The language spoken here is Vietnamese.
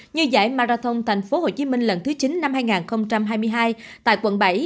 như giải marathon tp hcm lần thứ chín năm hai nghìn hai mươi hai tại quận bảy